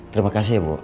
terima kasih ibu